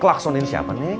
klakson ini siapa neng